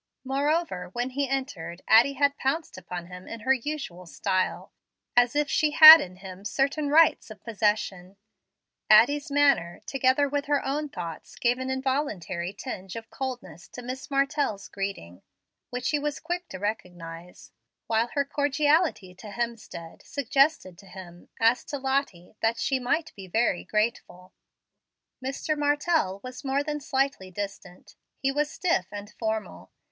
Moreover, when he entered, Addie had pounced upon him in her usual style, as if she had in him certain rights of possession. Addie's manner, together with her own thoughts, gave an involuntary tinge of coldness to Miss Martell's greeting, which he was quick to recognize, while her cordiality to Hemstead suggested to him, as to Lottie, that she might be very grateful. Mr. Martell was more than slightly distant: he was stiff and formal.